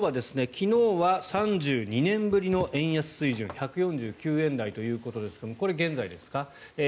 昨日は３２年ぶりの円安水準１４９円台ということですがこれ、現在ですか？